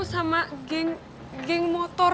sama geng motor